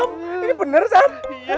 makna kalian other jahat